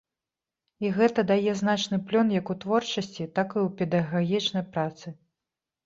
І гэта дае значны плён як у творчасці, так і ў педагагічнай працы.